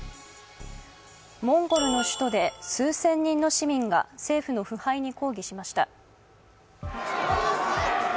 モンゴルの首都で数千人市民が政府の腐敗に抗議しました。